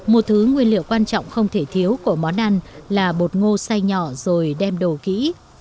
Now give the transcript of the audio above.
một thứ nguyên liệu quan trọng không thể thiếu của món ăn là bột ngô say nhỏ rồi đem đồ kỹ